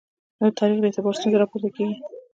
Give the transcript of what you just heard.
نو د تاریخ د اعتبار ستونزه راپورته کېږي.